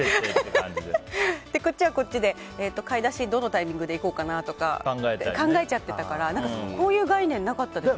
こっちはこっちで買い出しどのタイミングで行こうかなとか考えちゃってたからこういう概念なかったですね。